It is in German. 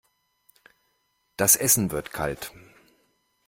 Das Essen wird kalt.